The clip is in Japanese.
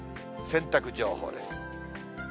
洗濯情報です。